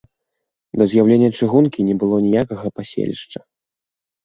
Да з'яўлення чыгункі не было ніякага паселішча.